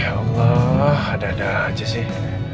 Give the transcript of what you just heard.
ya allah ada ada aja sih